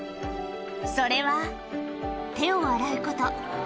それは、手を洗うこと。